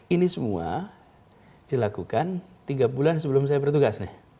ini semua dilakukan tiga bulan sebelum saya bertugas